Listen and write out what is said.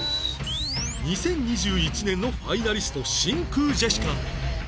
２０２１年のファイナリスト真空ジェシカ